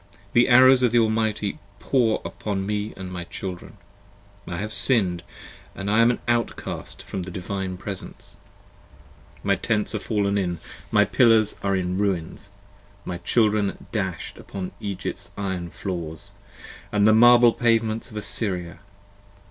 The arrows of the Almighty pour upon me & my children ! 33 I have sinned and am an outcast from the Divine Presence ! p. 79 MY tents are fall'n! my pillars are in ruins! my children dash'd Upon Egypt's iron floors, & the marble pavements of Assyria!